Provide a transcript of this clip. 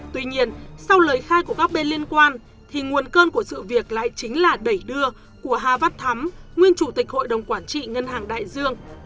tuy nhiên sau lời khai của các bên liên quan thì nguồn cơn của sự việc lại chính là đẩy đưa của hà văn thắm nguyên chủ tịch hội đồng quản trị ngân hàng đại dương